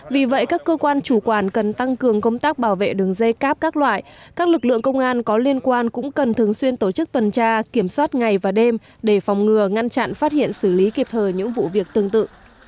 vì vậy các cơ quan chủ quản cần tăng cường công tác bảo vệ đường dây cáp các loại các lực lượng công an có liên quan cũng cần thường xuyên tổ chức tuần tra kiểm soát ngày và đêm để phòng ngừa ngăn chặn phát hiện xử lý kịp thời những vụ việc tương tự